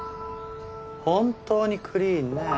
本当にクリーンね。